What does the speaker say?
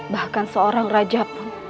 bahkan seorang raja pun